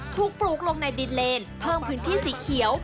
ปลูกลงในดินเลนเพิ่มพื้นที่สีเขียว